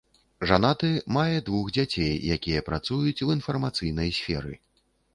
Жанаты, мае двух дзяцей, якія працуюць у інфармацыйнай сферы.